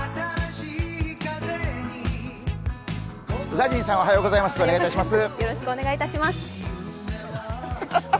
宇賀神さん、おはようございます。